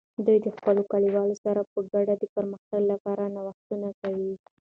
دوی د خپلو کلیوالو سره په ګډه د پرمختګ لپاره نوښتونه کوي.